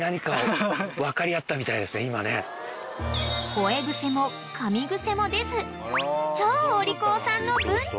［吠え癖もかみ癖も出ず超お利口さんの文太］